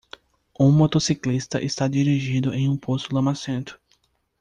Um motociclista está dirigindo em um poço lamacento.